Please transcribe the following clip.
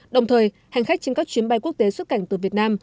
đồng thời hành khách trên các chuyến bay quốc tế xuất cảnh từ việt nam